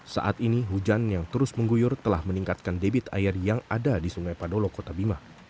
saat ini hujan yang terus mengguyur telah meningkatkan debit air yang ada di sungai padolo kota bima